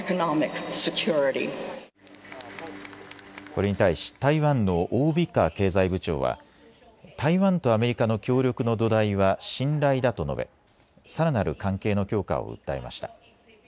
これに対し台湾の王美花経済部長は台湾とアメリカの協力の土台は信頼だと述べさらなる関係の強化を訴えました。